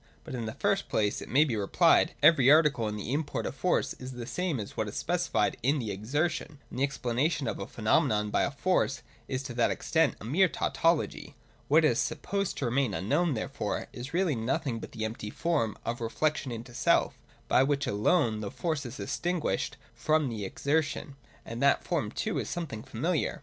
But, in the first place, it may be replied, every article in the import of Force is the same as what is specified in the Exertion : and the explanation of a phenomenon by a Force is to that extent a mere tautology. What is sup posed to remain unknown, therefore, is really nothing but the empty form of reflection into self, by which alone the Force is distinguished from the Exertion, — and that form too is something familiar.